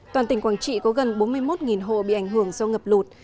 toàn tỉnh quảng trị có gần bốn mươi một hộ bị ảnh hưởng do ngập lụt